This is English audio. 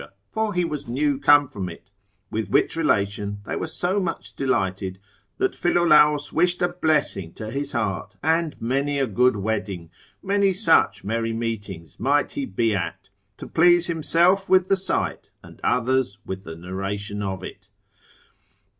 for he was new come from it; with which relation they were so much delighted, that Philolaus wished a blessing to his heart, and many a good wedding, many such merry meetings might he be at, to please himself with the sight, and others with the narration of it.